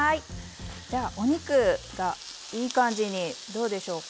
じゃあお肉がいい感じにどうでしょうか。